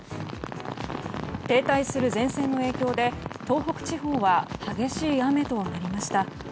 停滞する前線の影響で東北地方は激しい雨となりました。